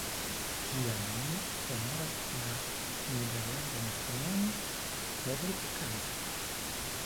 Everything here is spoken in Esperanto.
Ĝia nomo honoras la nederlandan astronomon Frederik Kaiser.